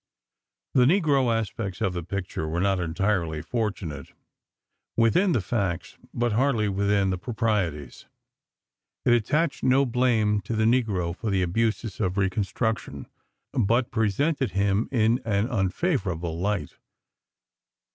The negro aspects of the picture were not entirely fortunate ... within the facts, but hardly within the proprieties. It attached no blame to the negro for the abuses of Reconstruction, but presented him in an unfavorable light.